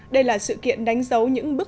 đây là sự kiện đánh dấu